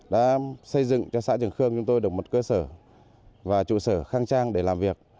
đã xây dựng cho xã trường khương chúng tôi được một cơ sở và trụ sở khang trang để làm việc